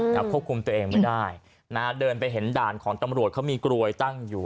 ควบคุมตัวเองไม่ได้นะฮะเดินไปเห็นด่านของตำรวจเขามีกลวยตั้งอยู่